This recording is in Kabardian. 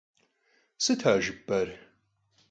Сыт а жыпӀэр?!